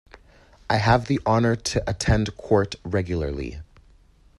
I have the honour to attend court regularly.